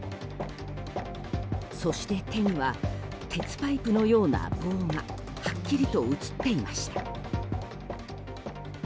そして、手には鉄パイプのような棒がはっきりと映っていました。